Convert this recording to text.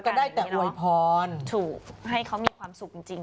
เราก็ได้แต่วัยพรถูกให้เขามีความสุขจริง